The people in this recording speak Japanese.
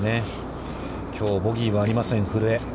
きょう、ボギーはありません、古江。